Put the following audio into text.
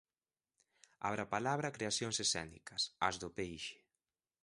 Abrapalabra Creacións Escénicas: As do Peixe.